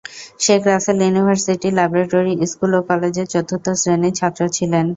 Sheikh Russel university laboratory school ও কলেজের চতুর্থ শ্রেণির ছাত্র ছিলেন।